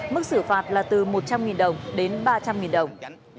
mức xử phạt là từ một trăm linh đồng đến ba trăm linh đồng